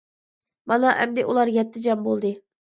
مانا ئەمدى ئۇلار يەتتە جان بولدى.